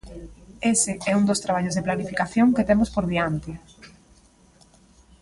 Ese é un dos traballos de planificación que temos por diante.